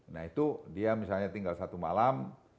nah itu dia misalnya tinggal satu malam